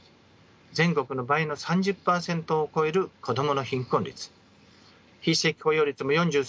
全国の倍の３０％を超える子供の貧困率非正規雇用率も４３％